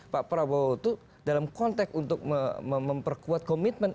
pak prabowo itu dalam konteks untuk memperkuat komitmen